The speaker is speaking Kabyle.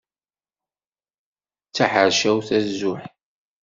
D taḥercawt azuḥ.